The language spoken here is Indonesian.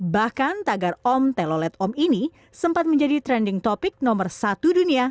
bahkan tagar om telolet om ini sempat menjadi trending topic nomor satu dunia